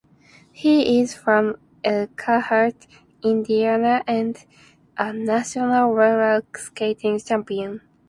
He is from Elkhart, Indiana and a national roller skating champion.